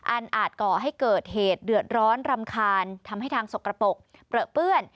อาจก่อให้เกิดเหตุเดือดร้อนรำคาญทำให้ทางสกปรกเปลือเปื้อน